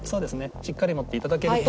しっかり持っていただけると。